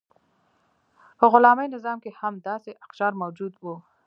په غلامي نظام کې هم داسې اقشار موجود وو.